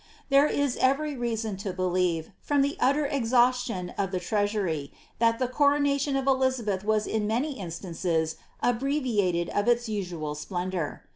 There is e?ery reason to believe, from the utter exhaustion of the treasury, that the coronation of Elizabeth was in many instances abbreviated of its niual splendour.